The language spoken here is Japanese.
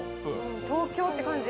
東京って感じ。